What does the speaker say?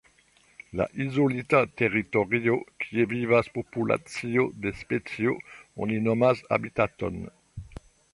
La izolita teritorio kie vivas populacio de specio oni nomas habitaton.